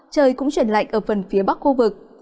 trời cũng chuyển lạnh ở phần phía bắc khu vực